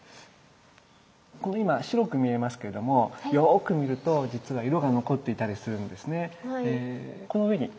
これ今白く見えますけれどもよく見ると実は色が残っていたりするんですね。